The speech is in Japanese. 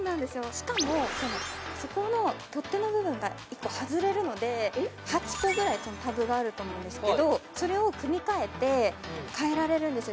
しかもそこの取っ手の部分が１個外れるので８個ぐらいあると思うんですけどそれを組み替えて変えられるんですよ